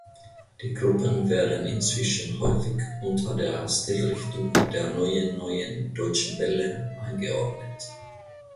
Die Gruppen werden inzwischen häufig unter der Stilrichtung der "Neuen Neuen Deutschen Welle" eingeordnet.